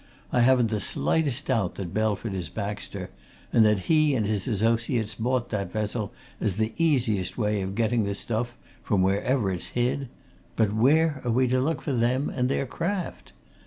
I haven't the slightest doubt that Belford is Baxter, and that he and his associates bought that vessel as the easiest way of getting the stuff from wherever it's hid but where are we to look for them and their craft?